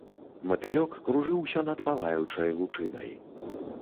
Матылёк кружыўся над палаючай лучынай.